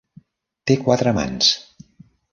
Té quatre mans.